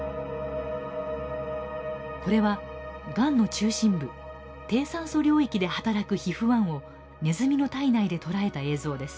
これはがんの中心部低酸素領域で働くＨＩＦ−１をネズミの体内でとらえた映像です。